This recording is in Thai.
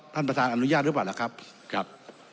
ท่านประธานอนุญาตรึเปล่าหรือเปล่าครับ